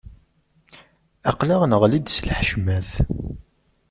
Aql-aɣ neɣli-d s lḥecmat.